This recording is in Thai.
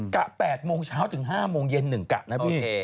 กะ๘โมงเช้าถึง๕โมงเย็น๑กะนะพี่